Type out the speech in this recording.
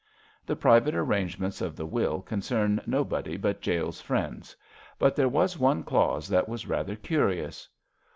The private arrangements of the will concern nobody but Jale's friends; but there was one clause that was rather curious.